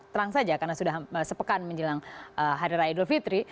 terang saja karena sudah sepekan menjelang hadirah idol fitri